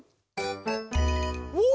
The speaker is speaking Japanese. うん。